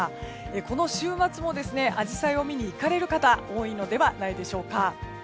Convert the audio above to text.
この週末もアジサイを見に行かれる方多いのではないでしょうか。